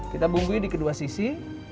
kita bumbui di kedua sisi